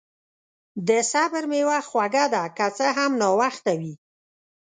د صبر میوه خوږه ده، که څه هم ناوخته وي.